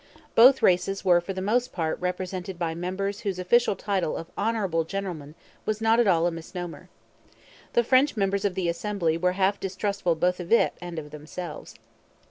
Both races were for the most part represented by members whose official title of 'Honourable Gentlemen' was not at all a misnomer. The French members of the Assembly were half distrustful both of it and of themselves.